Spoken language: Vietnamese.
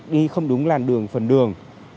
đi không đúng làn đường phân đường